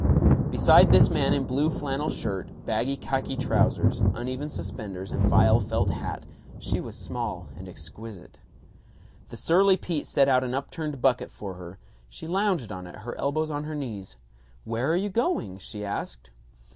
Beside this man in blue flannel shirt, baggy khaki trousers, uneven suspenders, and vile felt hat, she was small and exquisite. The surly Pete set out an upturned bucket for her. She lounged on it, her elbows on her knees. "Where are you going?" she asked.